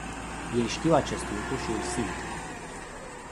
Ei știu acest lucru și îl simt.